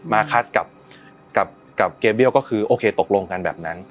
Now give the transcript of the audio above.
คัสกับเกเบี้ยวก็คือโอเคตกลงกันแบบนั้น